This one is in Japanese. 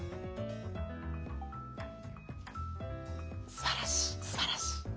すばらしいすばらしい。